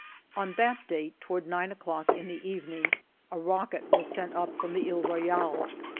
On that date, toward nine o'clock in the even ing, a rocket was sent up from the lie Royale.